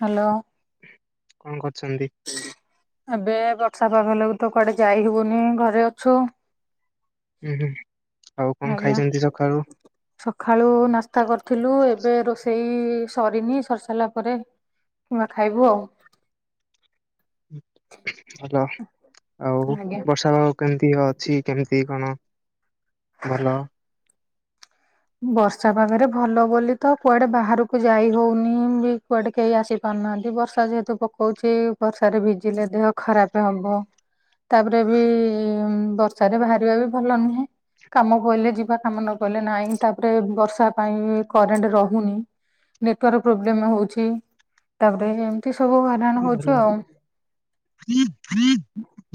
Hello. କଣ କର ଏବେ ବର୍ଷା ପାଗ ହେଲେକୁ ତ କୁଆଡେ ଯାଇହବୁନି ଘରେ ଅଛୁ। ହୁଁ ହୁଁ। ଆଉ କଣ ଆଜ୍ଞା ଖାଇଛନ୍ତି ସକାଳୁ? ସକାଳୁ ନାସ୍ତା କରିଥିଲୁ ଏବେ ରୋଷେଇ। ହୁଁ ସରିନି ସରି ସାରିଲା ପରେ ଏଇନୁ ଖାଇବୁ ଆଉ। ହୁଁ। ଭଲ ଆଉ ଆଜ୍ଞା। ବର୍ଷା ପାଗ କେମିତି ଅଛି କେମିତି କଣ। ଭଲ। ବର୍ଷା ପାଗରେ ଭଲ ବୋଲି ତ କୁଆଡେ ବାହାରକୁ ଯାଇ ହଉନି ବି କୁଆଡେ କେହି ଆସିପାରୁନ। ନାହାନ୍ତି ବର୍ଷା ଯେହେତୁ ପକଉଛି ବର୍ଷାରେ ଭିଜିଲେ ଦେହ ଖରାପ ହବ। ତାପରେ ବି ବର୍ଷାରେ ବାହାରିବା ବି ଭଲ ନୁହଁ। କାମ ପଇଲେ ଯିବା କାମ ନ ପଇଲେ ନାହ୍ନି। ତାପରେ ବର୍ଷା ପାଇଁ କରେଣ୍ଟ ରହୁନି ନେଟୱାର୍କ ପ୍ରୋବ୍ଲେମ ହଉଛି। ତାପରେ ଏମତି। କଣ କରିବା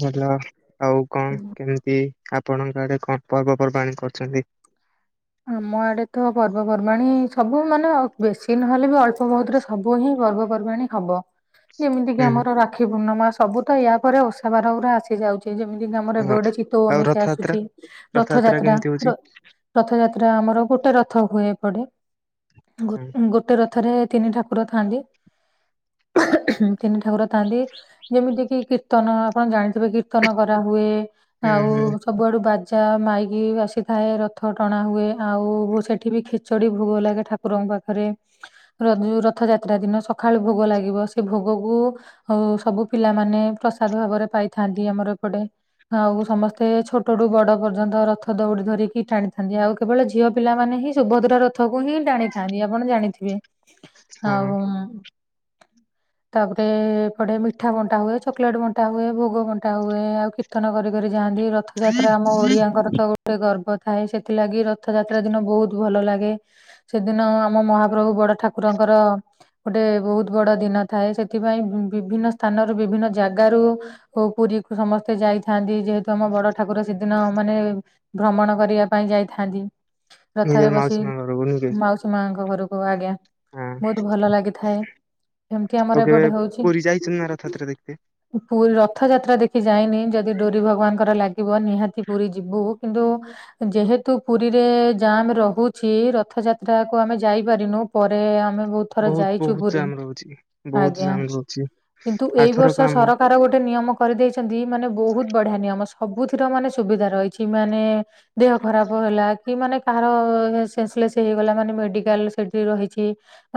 ଭଲ ଆଉ। ଆଉ କଣ କେମିତି ଆପଣଙ୍କ ଆଡେ କଣ ପର୍ବପର୍ବାଣି କରୁଛନ୍ତି। ଆମ ଆଡେ ତ ପର୍ବପର୍ବାଣିୀ ସବୁ ମାନେ ବେଶୀ ନହେଲେ ବି ଅଳ୍ପ ବହୁତରେ ସବୁ ହିଁ ପର୍ବପର୍ବାଣି ହବ। ଯେମିତି କିି ହୁଁ ଆମର ରାକ୍ଷୀ ପୂର୍ଣ୍ଣମା ସବୁ ତ ୟା ପରେ ଓଷା ବାର ରେ ଆସି ଯାଉଛି। ଯେମିତି କି ଆମର ଏବେ ହଁ ଗୋଟେ ଚିତଉ ଆଉ ଆମେଇସା ରଥଯାତ୍ରା ଆସୁଛି ରଥଯାତ୍ରା। କେମିତି ହଉଛି? ରଥଯାତ୍ରା ଆମର ଗୋଟେ ରଥ ହୁଏ ପଡେ ହୁଁ ଗୋଟେ ରଥରେ ତିନି ଠାକୁର ଥାନ୍ତି ଏହେ ଏହେ ତିନି ଠାକୁର ଥାନ୍ତି ଯେମିତି କିି କୀର୍ତ୍ତନ ଆପଣ ଜାଣିଥିବେ କୀର୍ତ୍ତନ କରାହୁଏ ଆଉ ହୁଁ ସବୁଆଡୁ ବା [unintelligible] ମାଇଁକି ବାଜିଥାଏ ର ରଥ ଟଣା ହୁଏ ଆଉ ସେଠି ବି ଖିଚଡି ଭୋଗ ଲାଗେ ଠାକୁରଙ୍କ ପାଖରେ ର ରଥଯାତ୍ରା ଦିନ ସକାଳୁ ଭୋଗ ଲାଗିବ ସେ ଭୋଗକୁ ସବୁ ପିଲାମାନେ ପ୍ରସାଦ ଭାବରେ ପାଇଥାନ୍ତି ଆମର ଏପଟେ ଆଉ ସମସ୍ତେ ଛୋଟଠୁ ବଡ ପର୍ଯ୍ୟନ୍ତ ରଥ ଦଉଡି ଧରିକିଟାଣି ନ୍ତି ଆଉ କେବଳ ଝିଅ ପିଲା ମାନେ ହିଁ ସୁଭଦ୍ରା ରଥକୁ ହିଁ ଟାଣିଥାନ୍ତି ଆପଣ ଜାଣିଥିବେ? ହଁ ଆଉ ତାପରେ ଏପଟେ ମିଠା ବଣ୍ଟା ହୁଏ ଚକୋଲେଟ ବଣ୍ଟା ହୁଏ ଭୋଗ ବଣ୍ଟା ହୁଏ ଆଉ କୀର୍ତନ କରିକରି ଯାଆନ୍ତି ରଥଯାତ୍ରା ଆମ ଓଡିଆଙ୍କର ତ ଗୋଟେ ଗର୍ବ ଥାଏ ସେ। ଥିଲାଗି ରଥଯାତ୍ରା ଦିନ ବହୁତ ଭଲ ଲାଗେ ସେଦିନ ଆମ ମହାପ୍ରଭୁ ବଡ ଠାକୁରଙ୍କର ଗୋଟେ ବହୁତ ବଡ ଦିନ ଥାଏ ସେଥିପାଇଁ ବିଭିନ୍ନ ସ୍ଥାନରୁ ବିଭିନ୍ନ ଜାଗାରୁ ପୁରୀକୁ ସମସ୍ତେ ଯାଇଥାନ୍ତି ଯେହେତୁ ଆମ ବଡ ଠାକୁର ସେଦିନ ମାନେ ଭ୍ରମଣ କରିବା ପାଇଁ ଯାଇଥାନ୍ତି ନିଜର ରଥରେ ମାଉସୀ ବସି ମା ଘରକୁ ନୁହେଁ କି? ମାଉସୀ ମାଙ୍କ ଘରକୁ ଆଜ୍ଞା। ହଁ ବହୁତ ଭଲ ଲାଗିଥାଏ। ଏମିତି ଆଉ ଆମର କେବେ ଏପଟେ ହଉଛି ପୁରୀ ଯାଇଛନ୍ତି ନା ରଥଯାତ୍ରା ଦେଖିତେ? ପୁରୀ ର ରଥଯାତ୍ରା ଦେଖି ଯାଇନି ଯଦି ଡୋରି ଭଗବାନଙ୍କର ଲାଗିବ ନିହାତି ପୁରୀ ଯିବୁ କିନ୍ତୁ ଯେହେତୁ ପୁରୀରେ ଜାମ୍ ରହୁଛି ରଥଯାତ୍ରାକୁ ଆମେ ଯାଇପାରିନୁ ପରେ ଆମେ ବହୁତ ଥର ଯାଇଛୁ ବହୁତ ପୁରୀ। ଜାମ ରହୁଛି ବହୁତ ଆଜ୍ଞା। ଜାଣୁ ଅଛି। କିନ୍ତୁ ଏଇ ବର୍ଷ ସରକାର ଗୋଟେ ନିୟମ କରିଦେଇଛନ୍ତି ମାନେ ବହୁତ ବଢିଆ ନିୟମ। ସବୁଥିର ମାନେ ସୁବିଧା ରହିଛି ମାନେ ଦେହ ଖରାପ ହେଲା କି ମାନେ କାହାର ସେନ୍ସଲେସ୍ ହେଇଗଲା ମାନେ ମେଡ଼ିକାଲ ସେଇଠି ରହିଛି।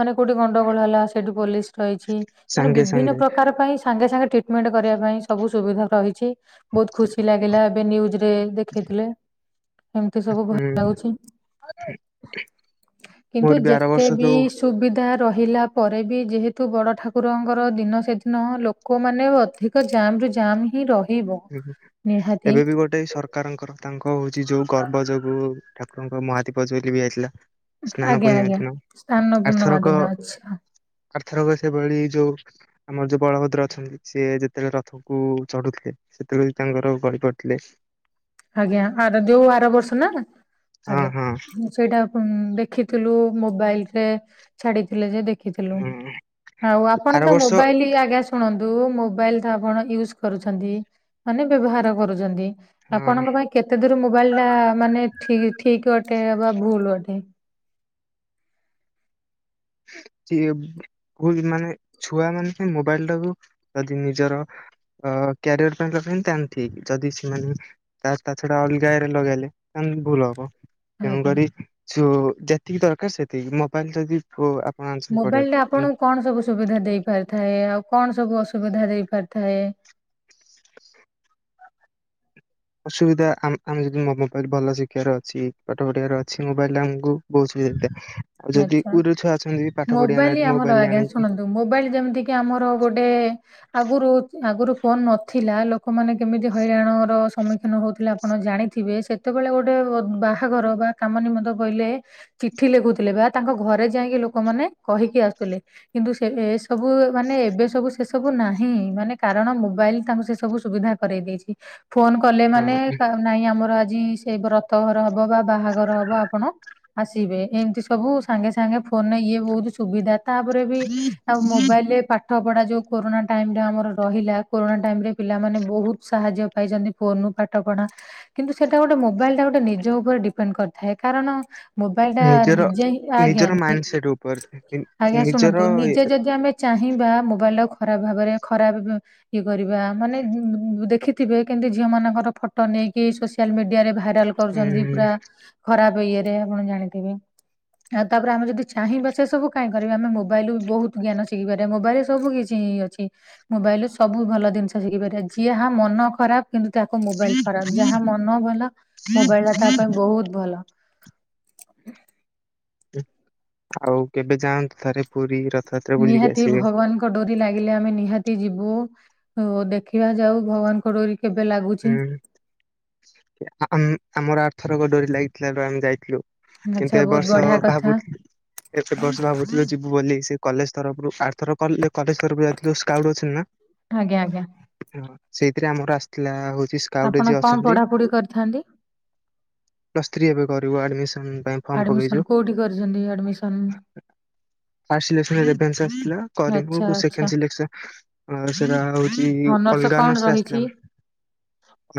ମାନେ କୋଉଠି ଗଣ୍ଡଗୋଳ ହେଲା ସେଠି ପୋଲିସ ରହିଛି। ଛି ମାନେ ସାଙ୍ଗେ ବିଭିନ୍ନ ସାଙ୍ଗେ ପ୍ରକାର ପାଇଁ ସାଙ୍ଗେ ସାଙ୍ଗେ ଟ୍ରିଟମେଣ୍ଟ କରିବା ପାଇଁ ସବୁ ସୁବିଧା ରହିଛି। ବହୁତ ଖୁସି ଲାଗିଲା ଏବେ ନିୟୁଜ ରେ ଦେଖେଇଥିଲେ। ଏମିତି ସବୁ ଭଲ ହୁଁ ଲାଗୁଛି। କିନ୍ତୁ ମୋର ବି ଆର ଯେତେ ବର୍ଷ ବି ଯୋଉ ସୁବିଧା ତା ରହିଲା ପରେ ବି ଯେହେତୁ ବଡ଼ ଠାକୁରଙ୍କର ଦିନ ସେଦିନ ଲୋକମାନେ ଅଧିକା ତାପରେ ଯାମ ହିଁ ର [inaudible] ଏବେ ବି ଗୋଟେ ସରକାରଙ୍କର ତାଙ୍କ ହଉଛି ଯୋଉ ଗର୍ବ ଯୋଗୁ ଠାକୁରଙ୍କ ମହାଦୀପଜ ଲିଭି ଯାଇଥିଲା। ସ୍ନାନ ଆଜ୍ଞା ପୂର୍ଣ୍ଣିମା ଆଜ୍ଞା ଦିନ ସ୍ଥାନପୂର୍ଣ୍ବା ଦିନ ଅଛା। ଏଥରକ ସେଭଳି ଯୋଉ ଆମର ଯୋଉ ବଳଭଦ୍ର ଅଛନ୍ତି ସି ଯେତେବେଳେ ରଥକୁ ଚଢୁଥିଲେ। ସେତେବେଳେ ତାଙ୍କର ଗଲି ପଡ଼ିଥିଲେ। ଆଜ୍ଞା ଆର ଦେଉ ଆର ବର୍ଷ ନା ହଁ ଆଜ୍ଞା ହଁ ସେଇଟା। ହଁ ଦେଖିଥିଲୁ ମୋବାଇଲ ରେ ଛାଡିଥିଲେ ଯେ ଦେଖିଥିଲୁ ହଁ ଆଉ ଆପଣ ଆର ତ ବର୍ଷ ମୋବାଇଲ ଆଜ୍ଞା ଶୁଣନ୍ତୁ ମୋବାଇଲ ଆପଣ ୟୁଜ କରୁଛନ୍ତି ମାନେ ବ୍ୟବହାର କରୁଛନ୍ତି। ହଁ ଆପଣଙ୍କ ପାଇଁ କେତେ ଦୂର ମୋବାଇଲ ଟା ମାନେ ଠିକ ଅଟେ ବା ଭୁଲ ଅଟେ? ହଁ। ଭଲ ମାନେ ଛୁଆ ମାନେ ମୋବାଇଲ ଟାକୁୁ ଯଦି ନିଜର ଅ କ୍ୟାରିୟର ପାଇଁ ରଗେଇନି ତାହେଲେ ଠିକ ଯଦି ସେମାନେ ତା ଛଡା ଅଲଗା ରେ ଲଗେଇଲେ ତାହେଲେ ଭୁଲ ହବ। ଆଜ୍ଞା ତେଣୁକରି ଛୁ ଯେତିକି ଦରକାର ସେତିକି ମୋବାଇଲ ଯଦି ଆପଣ ଆଣିଛନ୍ତି ମୋବାଇଲ ରେ ପଢିବାକୁ ଆପଣଙ୍କୁ କଣ ସବୁ ସୁବିଧା ଦେଇପାରିଥାଏ ଆଉ କଣ ସବୁ ଅସୁବିଧା ଦେଇପାରିଥାଏ? ଅସୁବିଧା ଆମେ ଯଦି ମୋବାଇଲ ଭଲ ଶିଖିବାର ଅଛି ପାଠ ପଢିବାର ଅଛି ମୋବାଇଲ ରେ ଆମକୁ ବହୁତ [unintelligible] ଆଉ ଯଦି ଆଚ୍ଛା ଗୁରେ ଛୁଆ ଅଛ ମୋବାଇଲ ଆମର ଆଜ୍ଞା ଶୁଣନ୍ତୁ ମୋବାଇଲ ଯେମିତି କି ଆମର ଗୋଟେ ଆଗରୁ ଆଗରୁ ଫୋନ ନଥିଲା ଲୋକମାନେ କେମିତି ହଇରାଣର ସମ୍ମୁଖୀନ ହଉଥିଲେ ଆପଣ ଜାଣିଥିବେ। ସେତେବେଳେ ଗୋଟେ ବାହାଘର ବା କାମ ନିମନ୍ତ ପଇଲେ ଚିଠି ଲେଖ ଖୁଥିଲେ ବା ତାଙ୍କ ଘରେ ଯାଇକି ଲୋକମାନେ କହିକି ଆସୁଥିଲେ। କିନ୍ତୁ ଏ ସବୁ ମାନେ ଏବେ ସବୁ ସେ ସବୁ ନାହିଁ ମାନେ କାରଣ ମୋବାଇଲ ତାଙ୍କୁ ସେ ସବୁ ସୁବିଧା କରାଇ ଦେଇଛି। ଫୋନ କଲେ ମାନେ ହଁ ନାଇଁ ଆମର ଆଜି ସେ ବ୍ରତଘର ହବ ହବ ବା ବାହାଘର ହବ ଆପଣ ଆସିବେ ଏମତି ସବୁ ସାଙ୍ଗେ ସାଙ୍ଗେ ଫୋନରେ ଇଏ ବହୁତ ସୁବିଧା ତାପରେ ବି ଆଉ ମୋବାଇଲରେ ପାଠ ପାଠପଢ଼ା ଯେଉଁ କୋରୋନା ଟାଇମ ରେ ଆମର ରହିଲା କୋରୋନା ଟାଇମରେ ପିଲାମାନେ ବହୁତ ସାହାଯ୍ୟ ପାଇଛନ୍ତି ଫୋନୁ ପାଠ ପଢା କିନ୍ତୁ ସେଟା ଗୋଟେ ମୋବାଇଲ ଟା ଗୋଟେ ନିଜ ଉପରେ ଡିପେଣ୍ଡ କରିଥାଏ। କାରଣ ମୋବାଇଲ ଟା ନିଜର ନିଜେ ହ ଆଜ୍ଞା ନିଜର ମାଇଣ୍ଡ ସେଟ ଉପରେ ଆଜ୍ଞା ନିଜର ଶୁଣନ୍ତୁ ନିଜେ ଯଦି ଆମେ ଚାହିଁବା ମୋବାଇଲ ର ଖରାପ ଭାବରେ ଖରାପ ଇଏ କରିବା ମାନେ ଦେଖିଥିବେ କିନ୍ତୁ ଝିଅ ମାନଙ୍କର ଫଟୋ ନେଇ ନେଇକି ସୋସିଆଲ ମିଡିଆରେ ଭାଇରାଲ କରୁଛନ୍ତି ଉଁ ପୁରା ଖରାପ ଇଏରେ ଆପଣ ଜାଣିଥିବେ। ଆଉ ତାପରେ ଆମେ ଯଦି ଚାହିଁବା ସେ ସବୁ କାହିଁ କରିବା ଆମେ ମୋବାଇଲୁରୁ ବହୁତ ଜ୍ଞାନ ଶିଖିପାରିବା ମୋବାଇଲରେ ସବୁ କିଛି ହିଁ ଅଛି। ଅଛି ମୋବାଇଲରେ ସବୁ ଭଲ ଜିନିଷ ଶିଖି ପାରିବା ଯିହା ମନ ଖରାପ କିନ୍ତୁ ତାକୁ ମୋବାଇଲ ଖରାପ ଯାହା ମନ ଭଲ ମୋବାଇଲ ଟା ତା ପାଇଁ ବହୁତ ଭଲ। ହ ଆଉ କେବେ ଯାଆନ୍ତୁ ଥରେ ପୁରୀ ର ନିହାତି ଭଗବାନଙ୍କ ଡୋରି ଲାଗିଲେ ଆମେ ନିହାତି ଯିବୁ। ବୁ ଦେଖିବା ଯାଉ ଭଗବାନଙ୍କ ଡୋରି କେବେ ଲାଗୁଛି। ହୁଁ ଆମ ଆମର ଆରଥରକ ଡୋରି ଲାଗିଥିଲାରୁ ଆମେ ଯାଇଥିଲୁ। ଆଚ୍ଛା କିନ୍ତୁ ଏ ବହୁତ ବର୍ଷ ବଢିଆ କଥା ଭାବୁଥିଲ ଏତେ ବର୍ଷ ଭାବୁଥିଲ ଯିବୁ ବୋଲି ସେ କଲେଜ ତରଫରୁ ଆରଥରକ କଲେ କଲେଜ ତରଫରୁ ଯାଇଥିଲ ସ୍କାଉଟ୍ ଅଛି ନା। ଆଜ୍ଞା ଆଜ୍ଞା। ହଁ ସେଇଥିରେ ଆମର ଆସିଥିଲା ହୋ ଛି ସ୍କାଉଟରେ ଆପଣ ଯିଏ କଣ ଅଛନ୍ତି। ପଢାପଢି କରିଥାନ୍ତି ପ୍ଲସ ଥ୍ରି ଏବେ କରିବୁ ଆଡମିସ ଆଡମିସନ କୋଉଠି କରିଛନ୍ତି ଆଡମିସନ? ଫାଷ୍ଟ ସିଲେକ୍ସନ ରେଭେନ୍ସା ଆସିଥିଲା ଆଚ୍ଛା କରିବୁ ଆଚ୍ଛା ସେକେଣ୍ଡ ସିଲେକ୍ସନ ଅ ସେଟା ହଉଛି ଅଲଗା କଣ ଅନର୍ସ ରେ ରହିଛି ଆସିଥିଲା।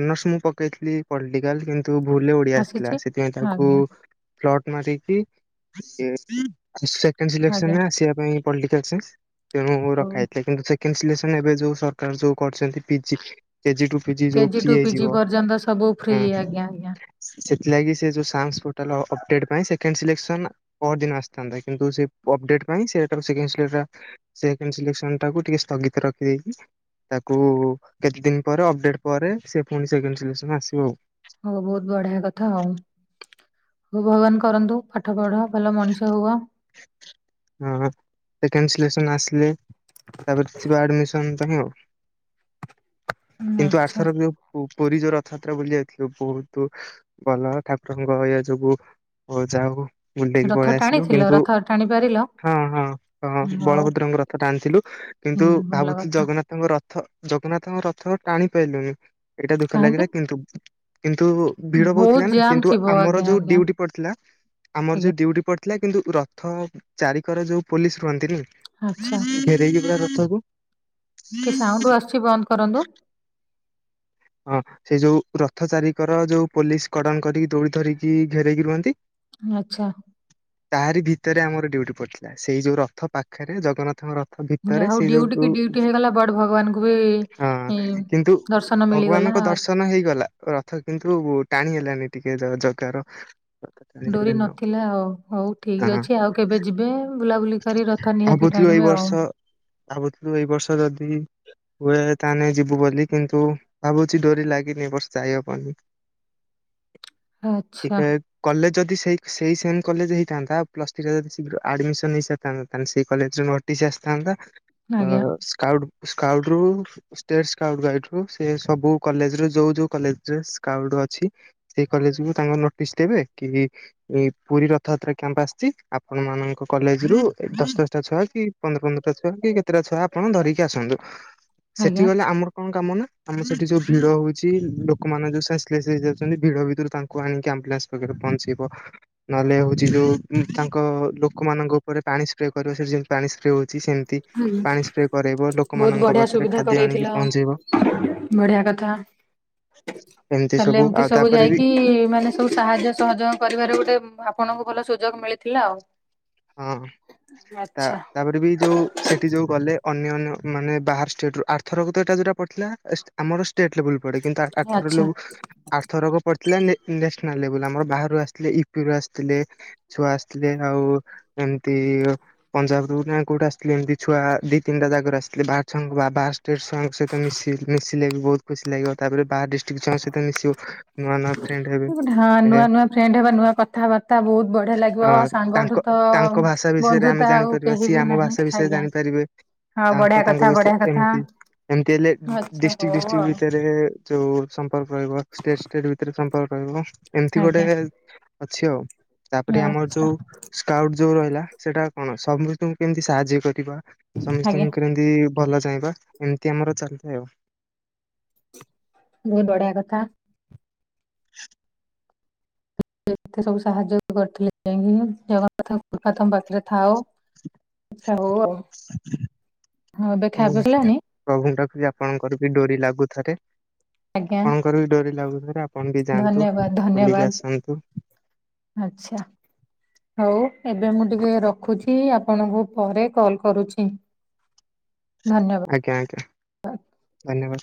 ଅନର୍ଷ ମୁଁ ପକେଇଥିଲି ପଲଟିକାଲ କିମ୍ ତୁ ଭୁଲରେ ଓଡିଆ ଆସିଥିଲା ଆସିଛି ସେଥିପାଇଁ ତାକୁ ଆଜ୍ଞା। ଫ୍ଲଟ ମାରିକି ସେ ସେ ସେକେଣ୍ଡ ଆଜ୍ଞା ସିଲେକସନରେ ଆସିବା ପାଇଁ ପଲଟିକାଲ ସାଇନ୍ସ ତେଣୁ ହଉ ରଖାହେଇଥିଲା। କିନ୍ତୁ ସେ କେଣ୍ଡ୍ ସିଲେକ୍ସନରେ ଏବେ ଯୋଉ ସରକାର ଯୋଉ କରିଛନ୍ତି ପିଜି କେଜି ଟୁ ପିଜି ଯଉ କେଜି ଫ୍ରି ଟୁ ପିଜି ହେଇଯିବ ପର୍ଯ୍ୟନ୍ତ ସବୁ ଫ୍ରି ହଁ ଆଜ୍ଞା ଆଜ୍ଞା। ସେ ସେଥିଲାଗି ସେ ଯୋଉ ସାସଂ ପୋର୍ଟାଲ ଅ ଅପଡେଟ ପାଇଁ ସେକେଣ୍ଡ ଶିଲେକ୍ସନ ପଅର ଦିନ ଆସିଥାନ୍ତା କିନ୍ତୁ ସେ ଅପଡେଟ ଥିପାଇଁ ସେ ହେଟାକୁ ସେକେଣ୍ଡ ସିଲେକ୍ ଟା ସେକେଣ୍ଡ ସିଲେକ୍ସନ ଟାକୁ ଟିକେ ସ୍ଥଗିତ ରଖିଦେଇକି ତାକୁ କେତେ ଦିନ ପରେ ଅପଡେଟ ପରେ ସେ ପୁଣି ସେକେଣ୍ଡ ସିଲେକ୍ସନ ଆସିବ ଆଉ। ହଉ ବହୁତ ବଢିଆ କଥା ଆଉ। ହ ଭଗବାନ କରନ୍ତୁ ପାଠ ପଢ ଭଲ ମଣିଷ ହୁଅ। ହ ସେକେଣ୍ଡ ସିଲେକ୍ସନ ଆସିଲେ ତାପଛରେ ଯିବ ଆଡମିସନ। ତହିଁ ଆଉ ହୁଁ, କିନ୍ତୁ ଆଚ୍ଛା ଆରଥରକ ଯୋଉ ପୁ ପୁରୀ ଯୋଉ ରଥଯାତ୍ରା ବୁଲି ଯାଇଥିଲୁ ବହୁତ ଭଲ ଠାକୁରଙ୍କ ଏଇଆ ଯବୁ ହଉ ଯାହାହୋଉ ବୁଲିଦେଇକି ପଳେଇ ଆସିଲୁ କିନ୍ତୁ ଟାଣିପାରିଲ? ହଁ ହଁ ହଁ ବଳଭଦ୍ରଙ୍କ ରଥ ଟାଣିଥିଲୁ ହୁଁ କିନ୍ତୁ ଭଲ ଭାବୁଥିଲୁ କଥା ଜଗନ୍ନାଥଙ୍କ ର ରଥ, ଜଗନ୍ନାଥଙ୍କ ରଥ ଟାଣି ପାଇଲୁନି ଏଇଟା ଦୁଃଖ କାହିଁକି ଲାଗିଲା କିନ୍ତୁ। କିନ୍ତୁ ଭିଡ ବହୁତ ବହୁତଥିଲା ନା ଜାମ୍ ।କିନ୍ତୁ ଥିବ ଆମର ଆଜ୍ଞା ଯୋଉ ଆଜ୍ଞା ଡ୍ୟୁଟି ପଡିଥିଲା, ଆମର ଆଜ୍ଞା ଯୋଉ ଡ୍ୟୁଟି ପଡିଥିଲା। ଥିଲା କିନ୍ତୁ ରଥ ଚାରିିକର ଯୋଉ ପୋଲିସ ରୁହନ୍ତିନି? ଆଚ୍ଛା ଘେରକି ପୁରା ସବୁ। ଟିକେ ସାଉଣ୍ଡ ଆସୁଛି ବନ୍ଦ କରନ୍ତୁ। ହଁ ସେ ଯୋଉ ରଥ ଚାରିଙ୍କର ଯୋଉ ପୋଲିସ କଡନ କରିକି ଦୋଉଡି ଧରିକି ଘେରଇକି ରୁହନ୍ତି। ଆଚ୍ଛା। ତାରି ଭିତରେ ଆମର ଡ୍ୟୁଟି ପଡିଥିଲା। ସେଇ ଯୋଉ ରଥ ପାଖରେ ଜଗନ୍ନାଥଙ୍କ ରଥ ଯାହା ଭିତରେ ହଉ ସେ ଡ୍ୟୁଟି କି ଯୋଉୁ-ହଁ ଡ୍ୟୁଟି ହେଇଗଲା ବଟ ଭଗବାନଙ୍କୁ ବି ଇ, କିନ୍ତୁ ଦର୍ଶନ ଭଗବାନଙ୍କ ମିଳିଗଲା ଦର୍ଶନ ହେଇଗଲା। ରଥ କିନ୍ତୁ ଟାଣି ହେଲାନି ଟିକେ ଜଗାର। ରଥ ଟାଣି ଡୋରି ହେଲାନି ନଥିଲା, ଆଉ ହଉ ଠିକ ହଁ ଅଛି ଆଉ କେବେ ଯିବେ ବୁଲାବୁଲି କରି ରଥ ନିହାତି ଭାବୁଥିଲୁ ଏଇ ଟାଣିବେ ଆଉ। ବର୍ଷ ଭାବୁଥିଲୁ ଏଇ ବର୍ଷ ଯଦି ହୁଏ ତାହେଲେ ଯିବୁ ବୋଲି କିନ୍ତୁ ଭାବୁଛି ଡୋରି ଲାଗିନି ଏ ବର୍ସ ଯାଇ ହବନି। ଆଚ୍ଛା ଟିକେ କଲେ ଯଦି ସେଇ, ସେଇ ସେମ୍ କଲେଜ ହେଇଥାନ୍ତା, ପ୍ଲସ୍ ଥ୍ରୀରେ ଯଦି ଶୀଘ୍ର ଆଡ଼ମିସନ୍ ହେଇସାରଥାନ୍ତା। ତାହେଲେ ସେଇ କଲେଜରେ ନଟି କିଛି ଆସିଥାନ୍ତା। ଆଜ୍ଞା ଆ-ସ୍କାଉଟ୍, ସ୍କାଉଟ୍ ରୁ, ଷ୍ଟେଟ୍ ସ୍କାଉଟ୍ ଗାଇଡ ରୁ ସେ ସବୁ କଲେଜ ର ଯୋଉ, ଯୋଉ କଲେଜରେ ସ୍କାଉଟ ଅଛି, ସେଇ କଲେଜକୁୁ ତାଙ୍କ ନୋଟିସ୍ ଦେବେ କି ପୁରୀ, ରଥଯାତ୍ରା କ୍ୟାମ୍ପ ଆସିଛି, ଆପଣ ମାନଙ୍କ କଲେଜ ରୁ ଦଶ, ଦଶଟା ଛୁଆ କି ପନ୍ଦର, ପନ୍ଦରଟା ଛୁଆ କି କେତେଟା ଛୁଆ ଆପଣ ଧରିକି ଆସନ୍ତୁ। ସେଠି ଆଜ୍ଞା ଗଲେ ଆମର କଣ କାମ ନା? ଆମର ସେଠି ଯୋଉ ଭିଡ ହଉଛି ।ଲୋକମାନେ ଯୋଉ ସେନ୍ସଲେସ୍ ହୋଇଯାଉଛନ୍ତି, ଭିଡ଼ ଭିତରୁ ତାଙ୍କୁ ଆଣିକି ଆମ୍ବୁଲାନ୍ସ ପାଖରେ ପ ପହଁଞ୍ଚିବ, ନହେଲେ ହଉଛି ଯୋଉ ତାଙ୍କ ଲୋକମାନଙ୍କ ଉପରେ ପାଣି ସ୍ପ୍ରେ କରିବ ସେଠି ଯେମିତି ପାଣି ସ୍ପ୍ରେ ହେଉଛି। ସେମିତି ହୁଁ ପାଣି ସ୍ପ୍ରେ କରାଇବ, ବହୁତ ଲୋକମାନଙ୍କ ବଢିଆ ପାଖରେ ସୁବିଧା ଖାଦ୍ୟ କରେଇଥିଲ। ଆଣିକି ପହଞ୍ଚେଇବ। ବଢିଆ କଥା। ତାଲେ ଏମିତି ଆଉ ସବୁ ତାପରେ ବି ଯାଇକି, ମାନେ ସବୁ ସାହାଯ୍ୟ ସହଯୋଗ କରିବାରେ ଗୋଟେ ଆପଣଙ୍କୁ ଭଲ ସୁଯୋଗ ମିଳିଥିଲା ଆଉ। ହଁ। ଆଚ୍ଛା ତା-ତାପରେ ବି ଯୋଉ ସେଠି ଯୋଉ ଗଲେ ଅନ୍ୟନ୍ୟ ମାନେ ବାହାର ଷ୍ଟେଟ ରୁ, ଆର୍ଥରକ ଯୋଉଟା ପଡିଥିଲା ଆମର ଷ୍ଟେଟ୍ ଲେବୁଲ ପଡେ ।କିନ୍ତୁ ଆଚ୍ଛା। ଆର-ଆର-ଥରକ ପଡିଥିଲା ନେସ୍-ନେସ୍ ଖେଳ ଲେବୁଲ୍ ଆମର ବାହାରୁ ଆସିଥିଲେ। ଇଉପି ରୁ ଆସିଥିଲେ। ଛୁଆ ଆସିଥିଲେ ଆଉ ଏମିତି ପଞ୍ଜାବ ରୁ ନା କୋଉଠି ଆସିଥିଲି ଏମିତି ଛୁଆ ଦି ତିନିଟା ଜାଗାରୁ ଆସିି ବାହାର ଛୁଆଙ୍କୁ ଆଉ ବାହାର ଷ୍ଟେଟ୍ ଛୁଆଙ୍କ ସହିତ ମିଶ-ମିଶିଲେ ବି ବହୁତ ଖୁସି ଲାଗିବ। ତାପରେ ବାହାର ଡିଷ୍ଟ୍ରିକ୍ଟ ଛୁଆଙ୍କ ସହିତ ମିଶିବୁ ହଁ। ନୂଆ, ନୂଆ ଫ୍ରେଣ୍ଡ ହବା, ନୂଆ କଥାବାର୍ତ୍ତା ବହୁତ ବଢିଆ ଲାଗିବ। ହଁ ତାଙ୍କ ସାଙ୍ଗଠୁ ତ ତାଙ୍କ ଭାଷା ବିଷୟରେ ଆମେ ବନ୍ଧୁତା ଆଉ ଜାଣିପାରିବା, କେହି ସିଏ ବି ଆମ ନାହିଁ ଭାଷା ବିଷୟରେ ଆଜ୍ଞା। ଜାଣିପାରିବେ। ହଁ ତାଙ୍କ, ବଢିଆ ତାଙ୍କ କଥା ବିଷୟରେ ବଢିଆ କଥା ଏମିତି ଏମତି ହେଲେ ଆଚ୍ଛା ଡିଷ୍ଟ୍ରିକ୍ଟ, ହଉ ଡିଷ୍ଟ୍ରିକ୍ଟ ଆଉ ଭିତରେ ଯୋଉ ସମ୍ପର୍କ ରହିବ। ଷ୍ଟେଟ୍ ଷ୍ଟେଟ୍ ଭିତରେ ସମ୍ପର୍କ ରହିବ ।ଏମିତି ଗୋଟେ ଆଜ୍ଞା। ଅଛି ଆଉ। ତାପରେ ଆମର ଆଚ୍ଛା ଯୋଉ ସ୍କାଉଟ ଯୋଉ ରହିଲା, ସେଟା କଣ ସମସ୍ତଙ୍କୁ କେମିତି ସାହାଯ୍ୟ କରିବା। ଆଜ୍ଞା ସମସ୍ତଙ୍କୁ କେମିତି ଭଲ ଚାହିଁବା, ଏମିତି ଆମର ଚାଲିଥାଏ ଆଉ। ବୋହୁତ୍ ବଢିଆ କଥା। ହାତ ଏତେ ସବୁ ସାହାଯ୍ୟ କରିଥିଲେ, ଯାଇକି ଜଗନ୍ନାଥ କୃପା ତମ ପାଖରେ ଥାଉ। ଆଛା ହୋଉ। ଏବେ ଖାଇବା ପିଇବା ସରିଲାଣି? ଦିଦି ଆପଣଙ୍କର ବି ଡୋରି ଲାଗୁଥରେ। ଆଜ୍ଞା ଆପଣଙ୍କର ବି ଡୋରି ଲାଗୁଥରେ ।ଆପଣ ବି ଯାଆନ୍ତୁ ଧନ୍ୟବାଦ ବୁଲିକି ଧନ୍ୟବାଦ ଆସନ୍ତୁ। ଆଚ୍ଛା। ହଉ ଏବେ ମୁଁ ଟିକେ ରଖୁଛି ।ଆପଣଙ୍କୁ ପରେ କଲ କରୁଛି। ଧନ୍ୟବାଦ ଆଜ୍ଞା ଆଜ୍ଞା ।ଧନ୍ୟବାଦ।